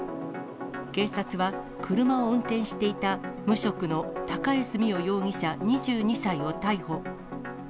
警察は、車を運転していた無職の高江洲央容疑者２２歳を逮捕。